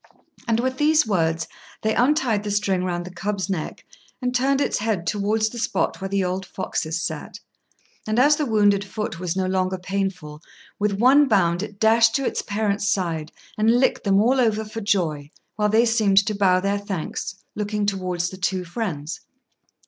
And with these words they untied the string round the cub's neck, and turned its head towards the spot where the old foxes sat; and as the wounded foot was no longer painful, with one bound it dashed to its parents' side and licked them all over for joy, while they seemed to bow their thanks, looking towards the two friends.